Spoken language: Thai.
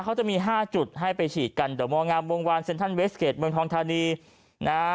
เขาจะมีห้าจุดให้ไปฉีดกันเดอร์มองามวงวานเซ็นทรัลเวสเกจเมืองทองธานีนะฮะ